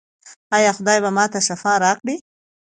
ایا خدای به ما ته شفا راکړي؟